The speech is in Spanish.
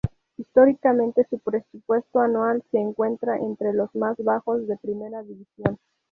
Históricamente, su presupuesto anual se encuentra entre los más bajos de Primera División.